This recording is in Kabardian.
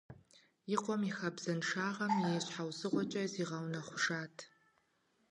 И къуэм хабзэншагъэм и щхьэусыгъуэкӏэ зигъэунэхъужат.